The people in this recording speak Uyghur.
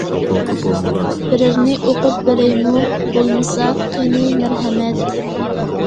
بىرەرنى ئوقۇپ بېرەيمۇ، بولمىسا؟- قېنى، مەرھەمەت!